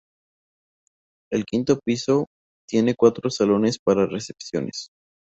El quinto piso tiene cuatro salones para recepciones.